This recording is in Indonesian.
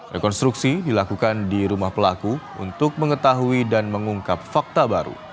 rekonstruksi dilakukan di rumah pelaku untuk mengetahui dan mengungkap fakta baru